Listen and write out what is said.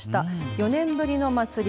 ４年ぶりの祭り。